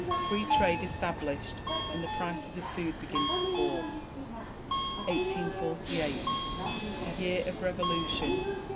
Free Trade established and the prices of food begin to fall. 1848. The year of Revolution.